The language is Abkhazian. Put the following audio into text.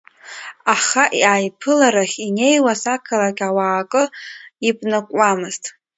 Аха аиԥыларахь инеиуаз ақалақь ауаа акы иԥнакуамызт.